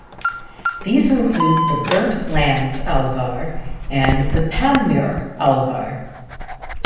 These include the Burnt Lands Alvar and the Panmure Alvar.